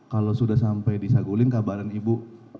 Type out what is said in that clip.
kalau sudah sampai di saguling kabaran ibu